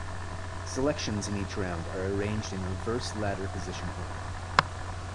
Selections in each round are arranged in reverse ladder position order.